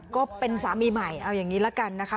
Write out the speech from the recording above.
ก็เป็นสามีใหม่เอาอย่างนี้ละกันนะคะ